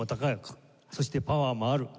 そしてパワーもある。